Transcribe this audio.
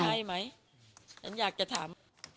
ใช่ไหมฉันอยากจะถาม